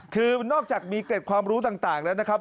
คือนอกจากมีเกร็ดความรู้ต่างแล้วนะครับ